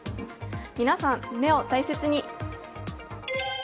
皆さん、目を大切に！